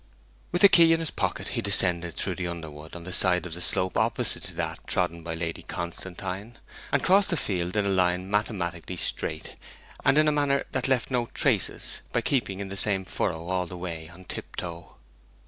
With the key in his pocket he descended through the underwood on the side of the slope opposite to that trodden by Lady Constantine, and crossed the field in a line mathematically straight, and in a manner that left no traces, by keeping in the same furrow all the way on tiptoe.